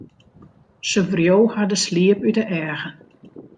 Sy wreau har de sliep út de eagen.